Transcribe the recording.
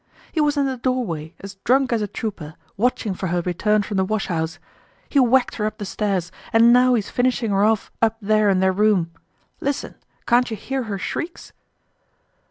"He was in the doorway, as drunk as a trooper, watching for her return from the wash house. He whacked her up the stairs, and now he's finishing her off up there in their room. Listen, can't you hear her shrieks?"